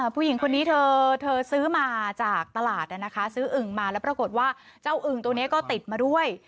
ผู้หญิงคนนี้เธอซื้อมาจากตลาดนะคะซื้ออึ่งมาแล้วปรากฏว่าเจ้าอึ่งตัวนี้ก็ติดมาด้วย